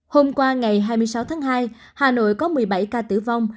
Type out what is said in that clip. hôm qua ngày hai mươi sáu tháng hai hà nội có một mươi bảy ca tử vong